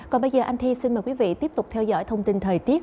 còn bây giờ anh thi xin mời quý vị tiếp tục theo dõi thông tin thời tiết